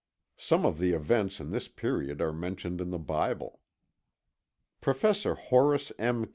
Some of the events in this period are mentioned in the Bible. Professor Horace M.